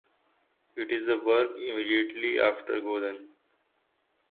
It is the work immediately after Godan.